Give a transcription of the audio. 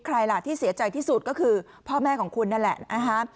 ใครล่ะที่เสียใจที่สุดก็คือพ่อแม่ของคุณนั่นแหละนะฮะ